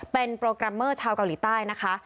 เป็นโปรแกรมเมอร์ชาวเกาหลีใต้นะคะ